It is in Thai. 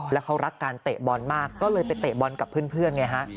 แล้วเขารักการเตะบอลมากก็เลยไปเตะบอลกับเพื่อนไงฮะ